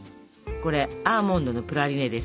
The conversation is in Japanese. これがアーモンドのプラリネです。